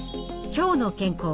「きょうの健康」。